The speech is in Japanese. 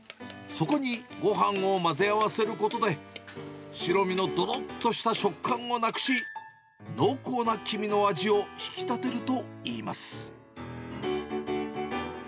そこにごはんを混ぜ合わせることで、白身のどろっとした食感をなくし、濃厚な黄身の味を引き立てるといいます。